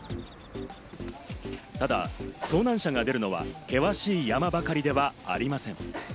ただ遭難者が出るのは険しい山ばかりではありません。